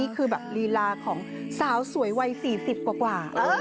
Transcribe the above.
เครื่องรีลาของสาวสวยวัย๔๐กว่า